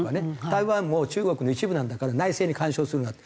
台湾も中国の一部なんだから内政に干渉するなって。